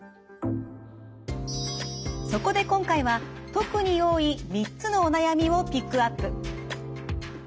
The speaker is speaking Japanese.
そこで今回は特に多い３つのお悩みをピックアップ。